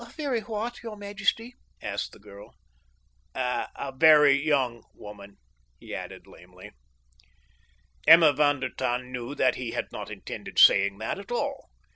"A very what, your majesty?" asked the girl. "A very young woman," he ended lamely. Emma von der Tann knew that he had not intended saying that at all.